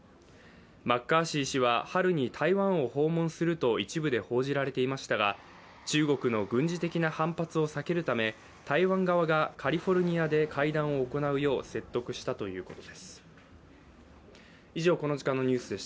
マッカーシー氏は春に台湾を訪問すると一部で報じられていましたが中国の軍事的な反発を避けるため台湾側がカリフォルニアで会談を行うよう説得したということです。